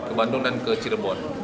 ke bandung dan ke cirebon